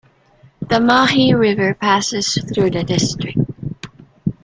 The Mahi River passes through the district.